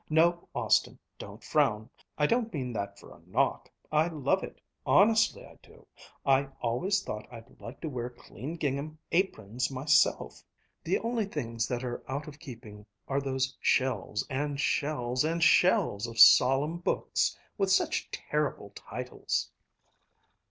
No, Austin, don't frown! I don't mean that for a knock. I love it, honestly I do! I always thought I'd like to wear clean gingham aprons myself. The only things that are out of keeping are those shelves and shelves and shelves of solemn books with such terrible titles!"